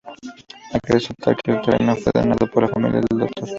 Hay que resaltar que el terreno fue donado por la familia del Dr.